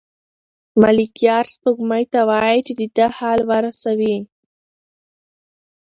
ملکیار سپوږمۍ ته وايي چې د ده حال ورسوي.